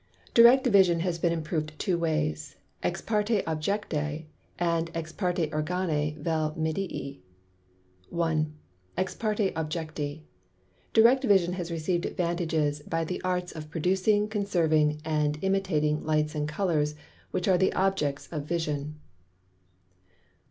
Direct Vision has been improv'd two ways, ex parte Objecti, and ex parte Organi vel Medii. 1. Ex parte Objecti, Direct Vision has receiv'd advantages by the Arts of Producing, Conserving and Imitating Light and Colours, which are the Objects of Vision.